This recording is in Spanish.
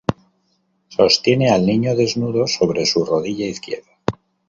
Sostiene al niño desnudo sobre su rodilla izquierda.